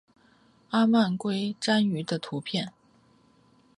阿曼蛙蟾鱼的图片